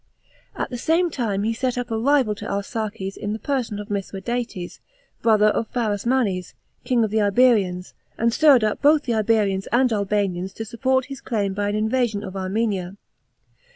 At the same time he set up a rival to Arsaces in the person of Mitlira 'ates, brother of Pharasmanes, king of the Iherians; and stirred up both the Iberians and Albanians to sup|>ort his claim by an invasion of Armen'a.